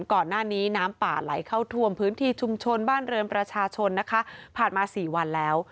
ก่อนหน้านี้น้ำป่าไหลเข้าท่วมพื้นที่ชุมชนบ้านเรือนประชาชนนะคะผ่านมาสี่วันแล้ว